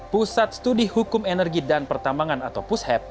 pusat studi hukum energi dan pertambangan atau pushep